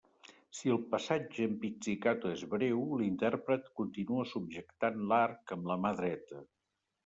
Si el passatge en pizzicato és breu, l'intèrpret continua subjectant l'arc amb la mà dreta.